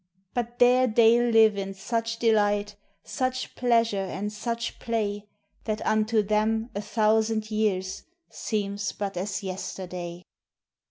But there they live in such delight, Such pleasure and such play, That unto them a thousand years Seems but as yesterday.